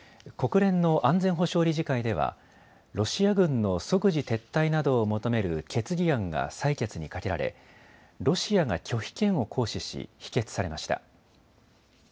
国連の安全保障理事会ではロシア軍の即時撤退などを求める決議案が採決にかけられロシアが拒否権を行使し、否決されました。